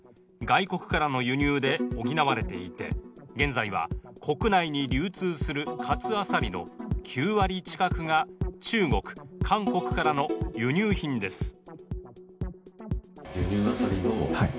外国からの輸入で補われていて現在は国内に流通する活あさりの９割近くが中国、韓国からの輸入品です。